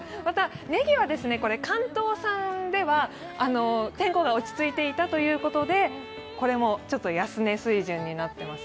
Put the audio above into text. ネギは関東産では天候が落ち着いていたということでこれも安値水準になっています。